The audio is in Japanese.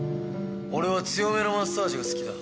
俺は強めのマッサージが好きだ。